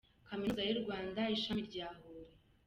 Kaminuza yu rwanda ishami rya huye.